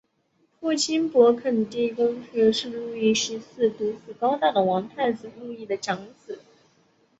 父亲勃艮地公爵是路易十四独子高大的王太子路易的长子。